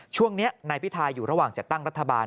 ช่วงนี้นายพิทาอยู่ระหว่างจัดตั้งรัฐบาล